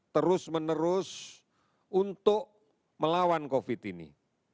terus menerus untuk melawan covid sembilan belas ini